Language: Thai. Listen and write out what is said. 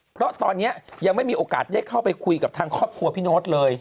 เพราะตอนนี้ยังไม่มีโอกาสได้เข้าไปคุยกับทางครอบครัวพี่โน๊ตเลย